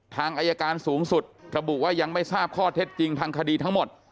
ทางอายการสูงสุดระบุว่ายังไม่ทราบข้อเท็จจริงทางคดีทั้งหมด